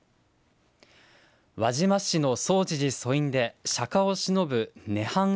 輪島市の總持寺祖院で釈迦をしのぶ、ね